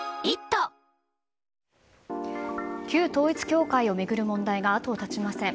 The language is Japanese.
旧統一教会を巡る問題が後を絶ちません。